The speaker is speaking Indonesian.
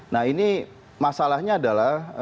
nah ini masalahnya adalah